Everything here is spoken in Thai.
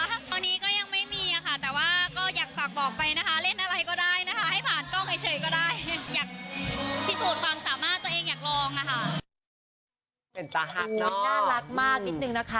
ตอนนี้ก็ยังไม่มีอะค่ะแต่ว่าก็อยากฝากบอกไปนะคะเล่นอะไรก็ได้นะคะ